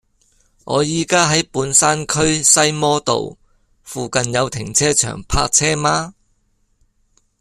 我依家喺半山區西摩道，附近有停車場泊車嗎